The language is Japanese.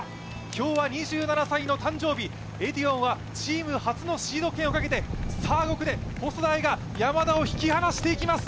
今日は２７歳の誕生日、エディオンはチーム初のシード権をかけて５区で細田あいがヤマダを引き離していきます。